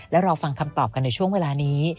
และรอฟังคำตอบกันในช่วงเวลานี้